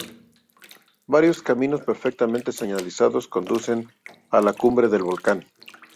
Varios caminos perfectamente señalizados conducen a la cumbre del volcán.